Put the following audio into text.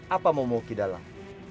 apa mau mau kidalang